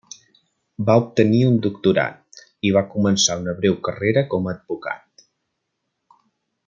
Va obtenir un doctorat, i va començar una breu carrera com a advocat.